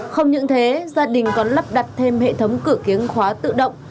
không những thế gia đình còn lắp đặt thêm hệ thống cửa khóa tự động